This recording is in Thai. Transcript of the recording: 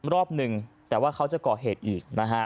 รอบนึงแต่ว่าเขาจะก่อเหตุอีก